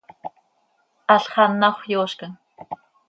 Halx anàxö yoozcam.